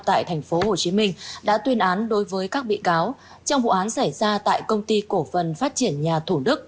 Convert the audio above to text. tại tp hcm đã tuyên án đối với các bị cáo trong vụ án xảy ra tại công ty cổ phần phát triển nhà thủ đức